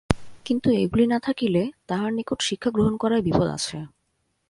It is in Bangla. কিন্তু এগুলি না থাকিলে তাঁহার নিকট শিক্ষা গ্রহণ করায় বিপদ আছে।